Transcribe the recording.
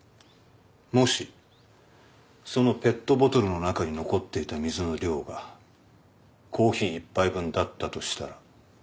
もしそのペットボトルの中に残っていた水の量がコーヒー一杯分だったとしたら。